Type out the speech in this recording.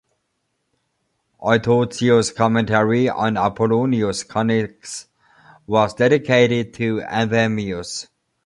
Eutocius's commentary on Apollonius's "Conics" was dedicated to Anthemius.